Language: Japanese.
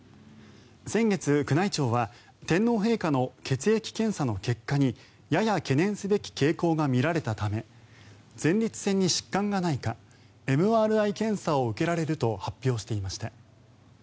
先月、宮内庁は天皇陛下の血液検査の結果にやや懸念すべき傾向が見られたため前立腺に疾患がないかＭＲＩ検査を受けられると発表していました。